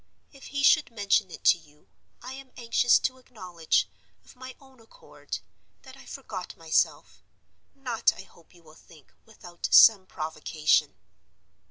If he should mention it to you, I am anxious to acknowledge, of my own accord, that I forgot myself—not, I hope you will think, without some provocation.